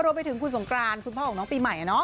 รวมไปถึงคุณสงกรานคุณพ่อของน้องปีใหม่